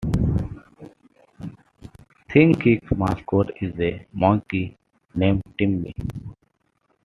ThinkGeek's mascot is a monkey named Timmy.